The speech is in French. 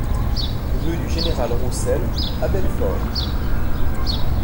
Rue du Général Roussel à Belfort